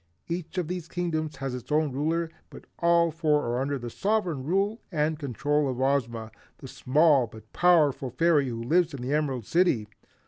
Each of these Kingdoms has its own ruler, but all four are under the sovereign rule and control of Ozma, the small but powerful fairy who lives in the Emerald City.